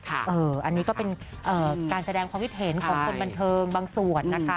อันนี้ก็เป็นการแสดงความคิดเห็นของคนบันเทิงบางส่วนนะคะ